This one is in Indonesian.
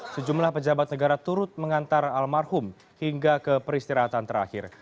sejumlah pejabat negara turut mengantar almarhum hingga ke peristirahatan terakhir